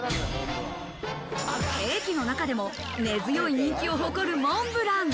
ケーキの中でも根強い人気を誇るモンブラン。